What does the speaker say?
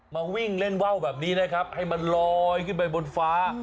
มาวิ่งเล่นว่าวแบบนี้นะครับให้มันลอยขึ้นไปบนฟ้า